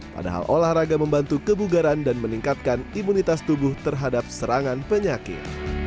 padahal olahraga membantu kebugaran dan meningkatkan imunitas tubuh terhadap serangan penyakit